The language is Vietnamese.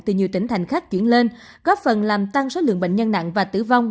từ nhiều tỉnh thành khác chuyển lên góp phần làm tăng số lượng bệnh nhân nặng và tử vong